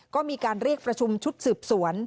ก็มีการเรียกประชุมชุดสืบสวน